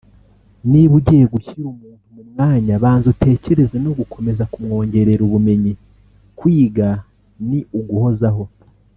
niba ugiye gushyira umuntu mu mwanya banza utekereze no gukomeza kumwongerera ubumenyi […] Kwiga ni uguhozaho